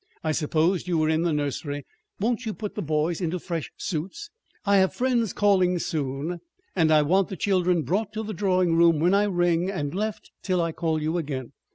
I supposed you were in the nursery. Won't you put the boys into fresh suits? I have friends calling soon, and I want the children brought to the drawing room when I ring, and left till I call you again."